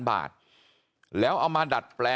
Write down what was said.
บอกแล้วบอกแล้วบอกแล้ว